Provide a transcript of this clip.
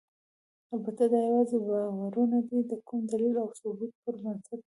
البته دا یواځې باورونه دي، د کوم دلیل او ثبوت پر بنسټ نه دي.